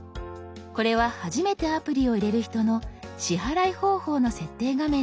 これは初めてアプリを入れる人の支払い方法の設定画面です。